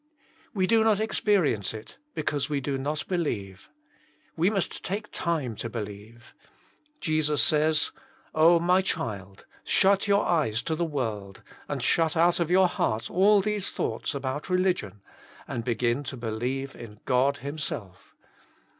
We do not experience it be cause we do not believe. We must take time to believe. Jesus says, •' Oh, 54 Jesus Himself. my child, shut your eyes to the world, and shut out of your heart all these thoughts about religion, and begin to believe in God Himself.